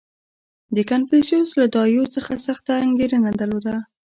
• کنفوسیوس له دایو څخه سخته انګېرنه درلوده.